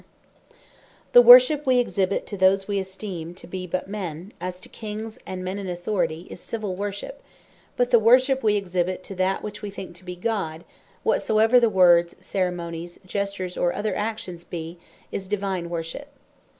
Distinction Between Divine And Civill Worship The Worship we exhibite to those we esteem to be but men, as to Kings, and men in Authority, is Civill Worship: But the worship we exhibite to that which we think to bee God, whatsoever the words, ceremonies, gestures, or other actions be, is Divine Worship.